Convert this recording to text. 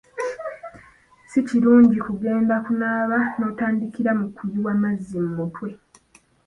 Si kirungi kugenda kunaaba n'otandikira mu kuyiwa amazzi mutwe.